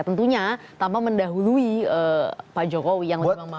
tentunya tanpa mendahului pak jokowi yang lebih memang mahal